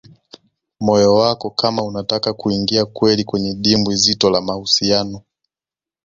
moyo wako kama unataka kuingia kweli kwenye dimbwi zito la mahusiano